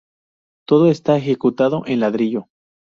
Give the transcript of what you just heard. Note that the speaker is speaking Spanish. Todo está ejecutado en ladrillo.